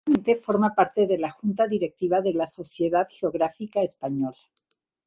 Actualmente, forma parte de la Junta Directiva de la Sociedad Geográfica Española.